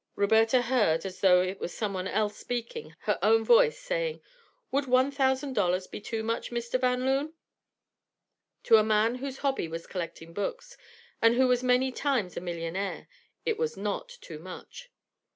Roberta heard, as though it were someone else speaking, her own voice saying: "Would one thousand dollars be too much, Mr. Van Loon?" To a man whose hobby was collecting books, and who was many times a millionaire, it was not too much.